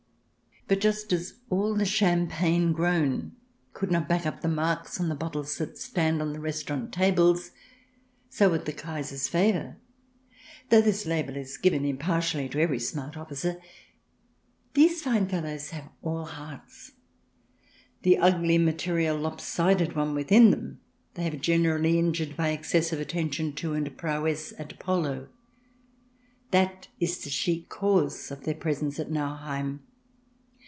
But just as all the champagne grown could not back up the marks on the bottles that stand on restaurant tables, so with the Kaiser's favour, though this label is given impartially to every smart officer. These fine fellows have all hearts; the ugly, material, lop sided one within them they have generally injured by excessive attention to and prowess at polo. That is the chic cause of their presence at Nauheim.